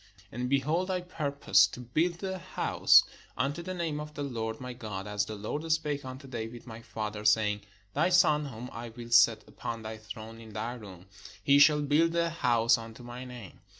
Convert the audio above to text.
And, behold, I purpose to build an house unto the name of the Lord my God, as the Lord spake unto David my father, sa>dng, Thy son, whom I will set upon thy throne in thy room, he shall build an house imto my name.